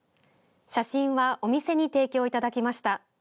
写真はお店に提供いただきました。